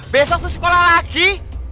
besok tuh sekolah lagi